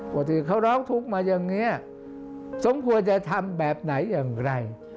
ที่เขาร้องทุกข์มาอย่างนี้สมควรจะทำแบบไหนอย่างไร